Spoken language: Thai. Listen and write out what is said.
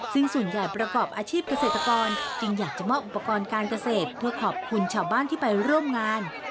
ซึ่งส่วนใหญ่ประกอบอาชีพเกษตรกรจึงอยากจะมอบอุปกรณ์การเกษตรเพื่อขอบคุณชาวบ้านที่ไปร่วมงาน